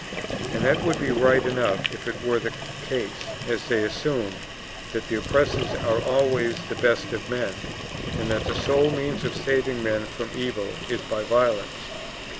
And that would be right enough if it were the case, as they assume, that the oppressors are always the best of men, and that the sole means of saving men from evil is by violence.